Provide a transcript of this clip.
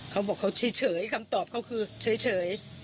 เขาบอกเขาเฉยคำตอบเขาคือเฉย